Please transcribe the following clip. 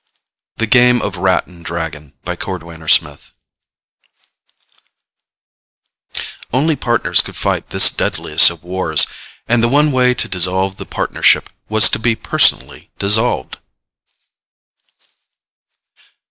The Game of Rat and Dragon By CORDWAINER SMITH _Only partners could fight this deadliest of wars and the one way to dissolve the partnership was to be personally dissolved!